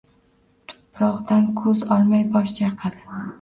Tuproqdan ko‘z olmay bosh chayqadi.